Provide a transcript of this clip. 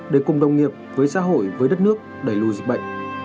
để cùng đồng nghiệp với xã hội với đất nước đẩy lùi dịch bệnh